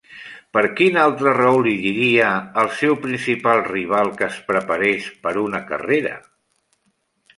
Per quina altra raó li diria al seu principal rival que es preparés per a una carrera?